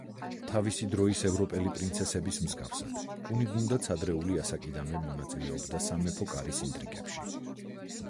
თავისი დროის ევროპელი პრინცესების მსგავსად, კუნიგუნდაც ადრეული ასაკიდანვე მონაწილეობდა სამეფო კარის ინტრიგებში.